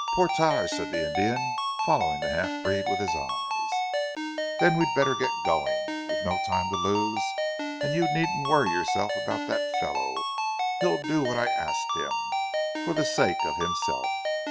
"Portage," said the Indian, following the half breed with his eyes. "Then we had better get going. We've no time to lose, and you needn't worry yourself about that fellow. He'll do what I've asked him, for the sake of himself.